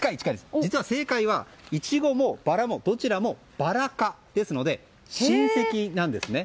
実は正解はイチゴもバラもどちらもバラ科ですので親戚なんですね。